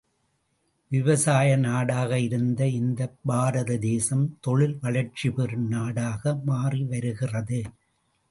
விவசாய நாடாக இருந்த இந்தப் பாரத தேசம் தொழில் வளர்ச்சி பெறும் நாடாக மாறி வருகிறது.